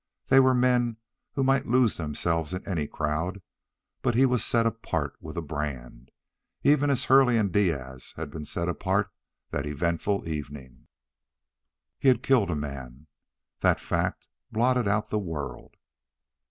They were men who might lose themselves in any crowd, but he was set apart with a brand, even as Hurley and Diaz had been set apart that eventful evening. He had killed a man. That fact blotted out the world.